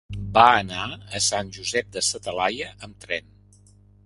Va anar a Sant Josep de sa Talaia amb tren.